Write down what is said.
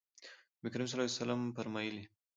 نبي کریم صلی الله علیه وسلم فرمایلي: